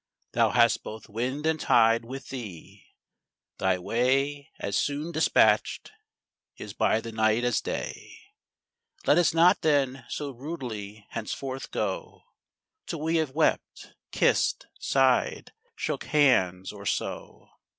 Thou hast both wind and tide with thee; thy way As soon dispatch'd is by the night as day. Let us not then so rudely henceforth go Till we have wept, kiss'd, sigh'd, shook hands, or so.